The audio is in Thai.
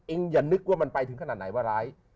อย่านึกว่ามันไปถึงขนาดไหนว่าร้าย